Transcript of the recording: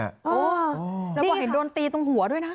แล้วก็เห็นโดนตีตรงหัวด้วยนะ